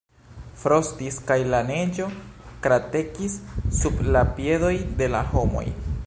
Frostis kaj la neĝo kraketis sub la piedoj de la homoj.